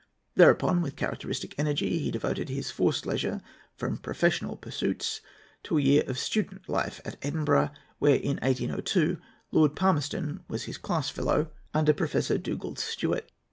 Thereupon, with characteristic energy, he devoted his forced leisure from professional pursuits to a year of student life at Edinburgh, where, in 1802, Lord Palmerston was his class fellow under Professor Dugald Stewart.